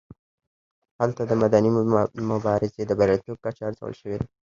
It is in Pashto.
هلته د مدني مبارزې د بریالیتوب کچه ارزول شوې ده.